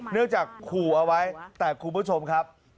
เนื่องจากขู่เอาไว้แต่คุณผู้ชมครับ